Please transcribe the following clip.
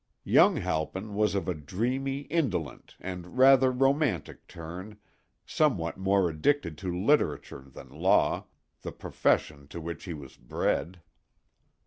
Young Halpin was of a dreamy, indolent and rather romantic turn, somewhat more addicted to literature than law, the profession to which he was bred.